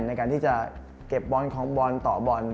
ในการที่จะเก็บบอลของบอลต่อบอล